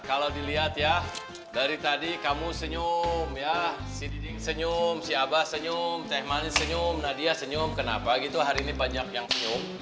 kalau dilihat ya dari tadi kamu senyum ya senyum si abah senyum teh manis senyum nadia senyum kenapa gitu hari ini banyak yang senyum